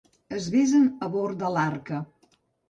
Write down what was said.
Es besen a bord de l'Arca.